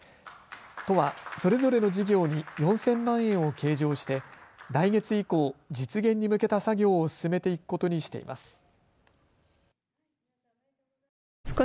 都はそれぞれの事業に４０００万円を計上して来月以降、実現に向けた作業を進めていくことにしています。